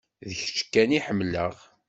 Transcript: D kečč kan i ḥemmleɣ.